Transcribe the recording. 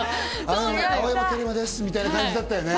青山テルマですみたいな感じだったよね。